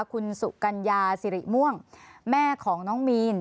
คุณสุกัญญาสิริม่วงแม่ของน้องมีน